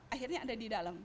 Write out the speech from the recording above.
akhirnya ada di dalam